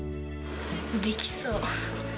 できそう。